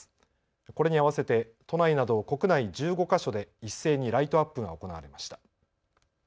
これに合わせて都内など国内１５か所で一斉にライトアップが行われました。